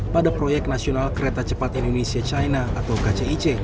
pada proyek nasional kereta cepat indonesia china atau kcic